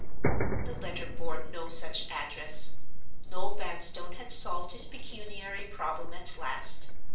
The letter bore no such address. Noel Vanstone had solved his pecuniary problem at last.